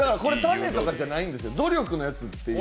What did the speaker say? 種とかじゃないんですよ、努力のやつ。